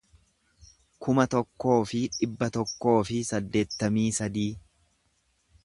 kuma tokkoo fi dhibba tokkoo fi saddeettamii sadii